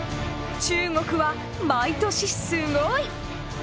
中国は毎年すごい！